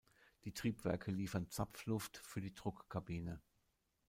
Die Triebwerke liefern Zapfluft für die Druckkabine.